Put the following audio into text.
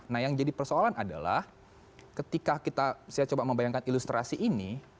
nah yang jadi persoalan adalah ketika kita saya coba membayangkan ilustrasi ini